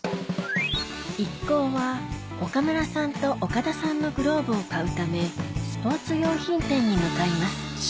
一行は岡村さんと岡田さんのグローブを買うためスポーツ用品店に向かいます